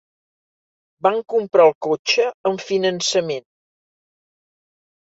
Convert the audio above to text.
Van comprar el cotxe amb finançament.